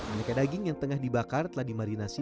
aneka daging yang tengah dibakar telah dimarinasi